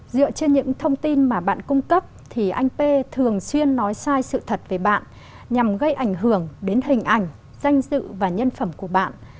dựa trên những thông tin mà bạn cung cấp thì anh p thường xuyên nói sai sự thật về bạn nhằm gây ảnh hưởng đến hình ảnh danh dự và nhân phẩm của bạn